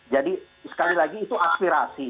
jadi sekali lagi itu aspirasi